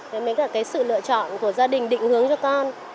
đấy mới là cái sự lựa chọn của gia đình định hướng cho con